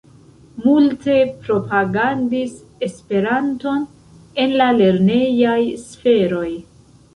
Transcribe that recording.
Multe propagandis Esperanton en la lernejaj sferoj.